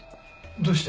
どうして？